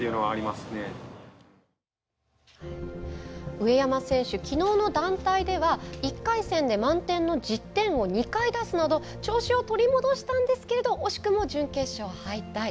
上山選手きのうの団体では１回戦で満点の１０点を２回出すなど調子を取り戻したんですけど惜しくも準決勝敗退。